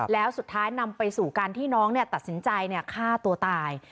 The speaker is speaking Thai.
แล้วสุดท้ายนำไปสู่การที่น้องตัดสินใจฆ่าตัวตาย